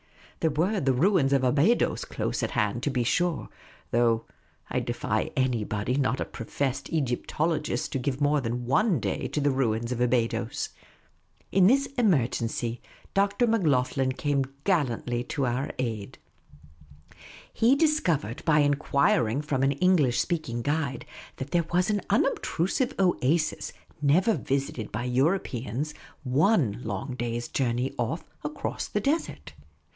There were the ruins of Abydos close at hand, to be sure ; though I defy anybody not a professed Egyptologist to give more than one day to the ruins of Abydos. In this emer gency. Dr. Macloghlen came gallantly to our aid. He dis covered by enquiring from an English vSpeaking guide that there was an unobtrusive oasis, never visited by Europeans, one long day's journey off", across the desert.